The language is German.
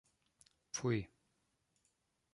Pfui!